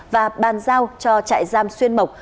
và bàn giao cho trại giam xuyên mộc